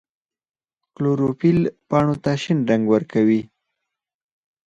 کلوروفیل پاڼو ته شین رنګ ورکوي